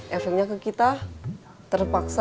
efeknya ke kita terpaksa